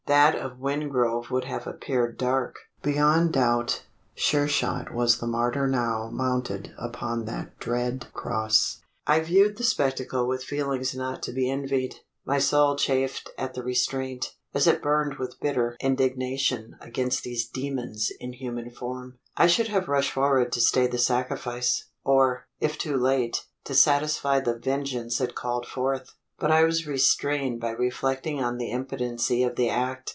That of Wingrove would have appeared dark. Beyond doubt, Sure shot was the martyr now mounted upon that dread cross! I viewed the spectacle with feelings not to be envied. My soul chafed at the restraint, as it burned with bitter indignation against these demons in human form. I should have rushed forward to stay the sacrifice, or, if too late, to satisfy the vengeance it called forth; but I was restrained by reflecting on the impotency of the act.